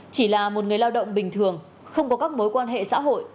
chỉ là một người lao động bình thường không có các mối quan hệ xã hội